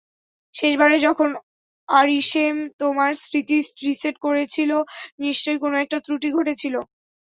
শেষবার যখন আরিশেম তোমার স্মৃতি রিসেট করেছিলো, নিশ্চয়ই কোনো একটা ত্রুটি ঘটেছিলো।